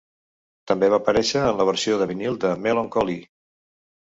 També va aparèixer en la versió de vinil de "Mellon Collie".